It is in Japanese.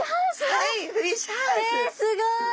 はい！